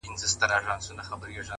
دغه خوار ملنگ څو ځايه تندی داغ کړ!!